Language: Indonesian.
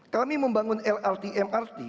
kami membangun lrt mrt